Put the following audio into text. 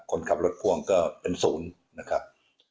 คนขับรถพ่วงก็เป็นศูนย์นะครับ